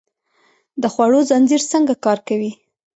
د خوړو زنځیر څنګه کار کوي؟